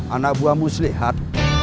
anak buah muslihat